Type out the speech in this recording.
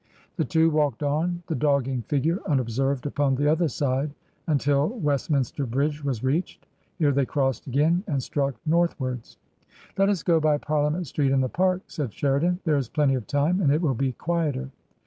The two walked on — the dogging figure unobserved upon the other side — until Westminster Bridge was reached ; here they crossed again and struck north wards. " Let us go by Parliament Street and the Park," said Sheridan ;" there is plenty of time, and it will be quieter."